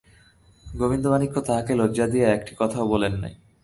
গোবিন্দমাণিক্য তাঁহাকে লজ্জা দিয়া একটি কথাও বলেন নাই।